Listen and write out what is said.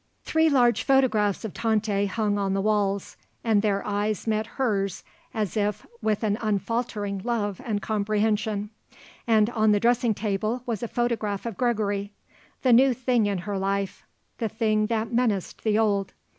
Three large photographs of Tante hung on the walls, and their eyes met hers as if with an unfaltering love and comprehension. And on the dressing table was a photograph of Gregory; the new thing in her life; the thing that menaced the old.